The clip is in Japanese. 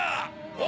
お！